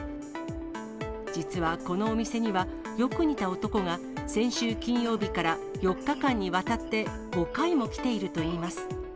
実はこのお店には、よく似た男が先週金曜日から４日間にわたって５回も来ているといいます。